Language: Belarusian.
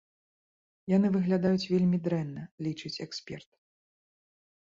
Яны выглядаюць вельмі дрэнна, лічыць эксперт.